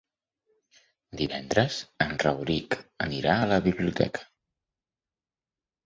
Divendres en Rauric anirà a la biblioteca.